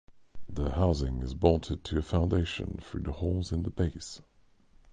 The housing is bolted to a foundation through the holes in the base.